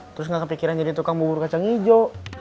terus gak kepikiran jadi tukang bubur kecang ijo